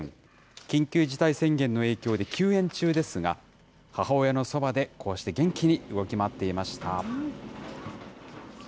緊急事態宣言の影響で休園中ですが、母親のそばで、こうして元気に動き回っていました。